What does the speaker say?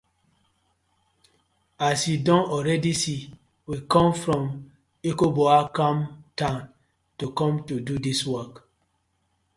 As yu don already see, we com from Ekoboakwan town to com to do dis work.